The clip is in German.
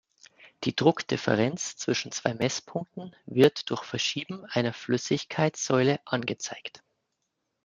Die Druckdifferenz zwischen zwei Messpunkten wird durch Verschieben einer Flüssigkeitssäule angezeigt.